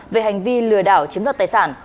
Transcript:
về hành vi lừa đảo chiếm đoạt tài sản